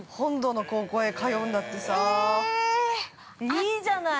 ◆いいじゃない。